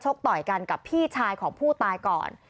ต่อยกันกับพี่ชายของผู้ตายก่อน